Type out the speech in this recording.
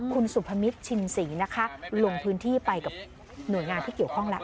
คุณสุพมิตรชินศรีนะคะลงพื้นที่ไปกับหน่วยงานที่เกี่ยวข้องแล้ว